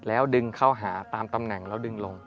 แล้วดึงเข้าหาตามตำแหน่งแล้วดึงลง